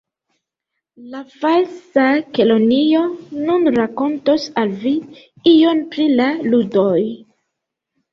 "La Falsa Kelonio nun rakontos al vi ion pri la ludoj."